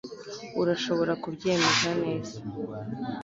urashobora kubyemeza neza